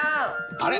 あれ？